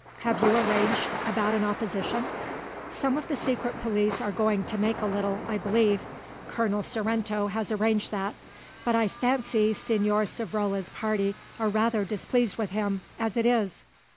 "Have you arranged about an opposition?" "Some of the secret police are going to make a little, I believe; Colonel Sorrento has arranged that. But I fancy Señor Savrola's party are rather displeased with him, as it is."